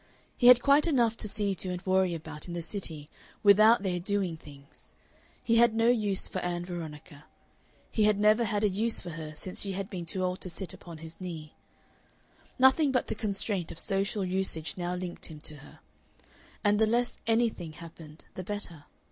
He had quite enough to see to and worry about in the City without their doing things. He had no use for Ann Veronica; he had never had a use for her since she had been too old to sit upon his knee. Nothing but the constraint of social usage now linked him to her. And the less "anything" happened the better.